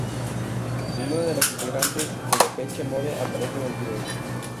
Ninguno de los integrantes de Depeche Mode aparece en el vídeo.